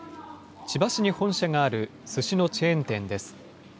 千葉市に本社があるすしのチェーン店です。